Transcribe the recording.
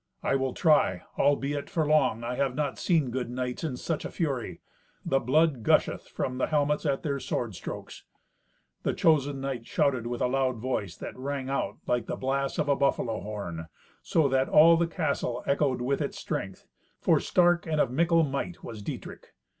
"I will try. Albeit, for long, I have not seen good knights in such a fury. The blood gusheth from the helmets at their sword strokes." The chosen knight shouted with a loud voice that rang out like the blast of a buffalo horn, so that all the castle echoed with its strength, for stark and of mickle might was Dietrich.